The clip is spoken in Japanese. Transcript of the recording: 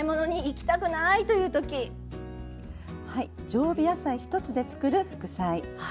常備野菜１つでつくる副菜。